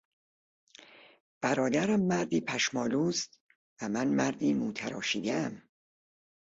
برادرم مردی پشمالو است و من مردی مو تراشیدهام.